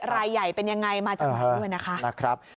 รายใหญ่เป็นยังไงมาจากไหนด้วยนะคะ